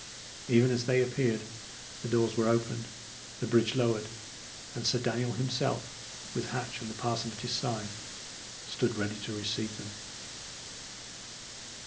Even as they appeared, the doors were opened, the bridge lowered, and Sir Daniel himself, with Hatch and the parson at his side, stood ready to receive them.